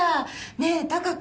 ねえ貴子。